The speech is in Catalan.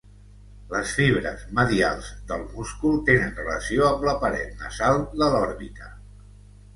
Les fibres medials del múscul tenen relació amb la paret nasal de l'òrbita.